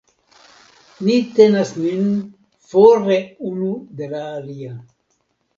Ni tenas nin fore unu de la alia.